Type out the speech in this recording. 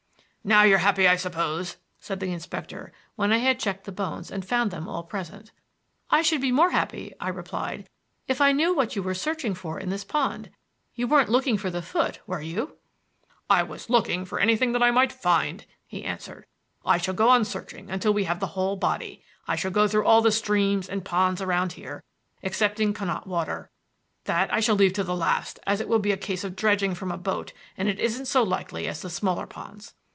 "Now you're happy, I suppose," said the inspector when I had checked the bones and found them all present. "I should be more happy," I replied, "if I knew what you were searching for in this pond. You weren't looking for the foot, were you?" "I was looking for anything that I might find," he answered. "I shall go on searching until we have the whole body. I shall go through all the streams and ponds around here, excepting Connaught Water. That I shall leave to the last, as it will be a case of dredging from a boat and isn't so likely as the smaller ponds.